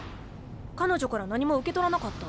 彼女から何も受け取らなかった？